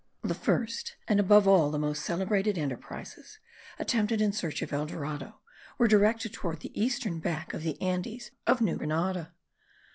The first and above all the most celebrated enterprises attempted in search of El Dorado were directed toward the eastern back of the Andes of New Grenada.